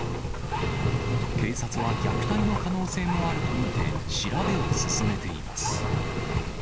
警察は虐待の可能性もあると見て、調べを進めています。